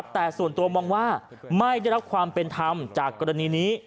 แต่ส่วนตัวมองว่าไม่ได้รับความเป็นธรรมจากกรณีนี้